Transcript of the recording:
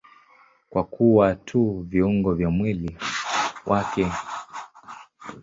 Kwa kuwa tu viungo vya mwili wake.